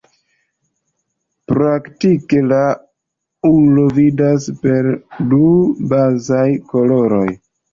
Praktike la ulo vidas per du bazaj koloroj.